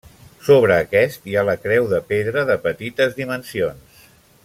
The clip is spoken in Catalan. Sobre aquest hi ha la creu de pedra, de petites dimensions.